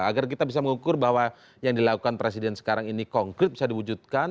agar kita bisa mengukur bahwa yang dilakukan presiden sekarang ini konkret bisa diwujudkan